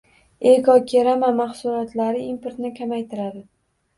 “Ekokerama” mahsulotlari importni kamaytiradi